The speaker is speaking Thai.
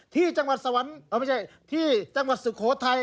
ที่จังหวัดสวรรค์ไม่ใช่ที่จังหวัดสุโขทัย